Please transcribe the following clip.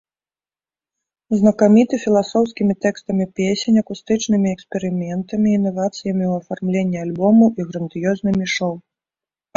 Знакаміты філасофскімі тэкстамі песень, акустычнымі эксперыментамі, інавацыямі ў афармленні альбомаў і грандыёзнымі шоу.